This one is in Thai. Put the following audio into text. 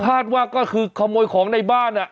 ถ้าลัดว่าก็คือขโมยของในบ้านอ่ะ